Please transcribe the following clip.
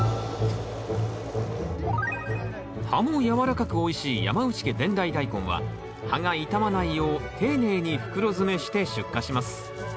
葉も軟らかくおいしい山内家伝来大根は葉が傷まないよう丁寧に袋詰めして出荷します